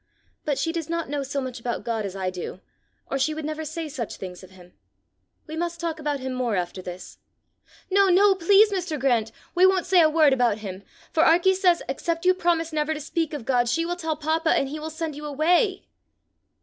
But she does not know so much about God as I do, or she would never say such things of him: we must talk about him more after this!" "No, no, please, Mr. Grant! We won't say a word about him, for Arkie says except you promise never to speak of God, she will tell papa, and he will send you away."